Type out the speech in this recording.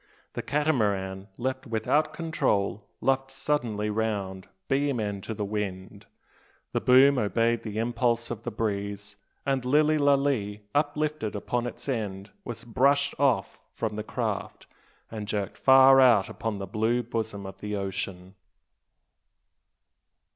The Catamaran, left without control, luffed suddenly round beam end to the wind; the boom obeyed the impulse of the breeze; and Lilly Lalee, uplifted upon its end, was brushed off from the craft, and jerked far out upon the blue bosom of the ocean!